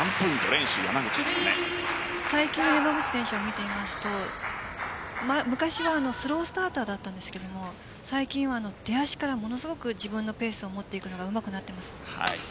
最近の山口選手を見ていると昔はスロースターターだったんですが最近は出足からものすごく自分のペースを持っていくのがうまくなっています。